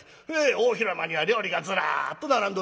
大広間には料理がズラッと並んでおります。